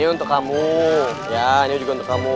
untuk kamu ya ini juga untuk kamu